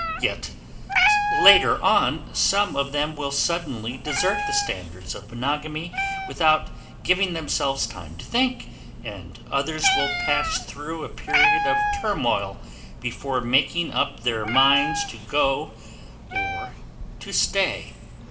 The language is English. Yet later on some of them will suddenly desert the standards of monogamy without giving themselves time to think, and others will pass through a period of turmoil before making up their minds to go or to stay.